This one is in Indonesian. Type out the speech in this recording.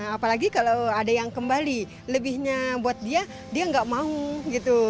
apalagi kalau ada yang kembali lebihnya buat dia dia nggak mau gitu